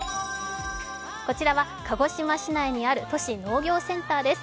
こちらは鹿児島市内にある都市農業センターです。